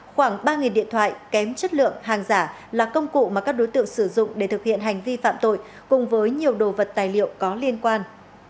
khoảng ba điện thoại kém chất lượng hàng giả là công cụ mà các đối tượng sử dụng để thực hiện hành vi phạm tội cùng với nhiều đồ vật tài liệu có liên quan